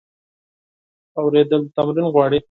اورېدل تمرین غواړي.